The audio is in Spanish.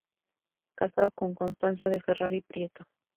Casado con Constanza de Ferrari Prieto.